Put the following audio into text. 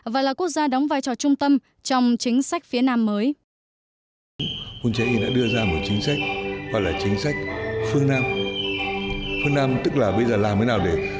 và là quốc gia đóng vai trò trung tâm trong chính sách phía nam mới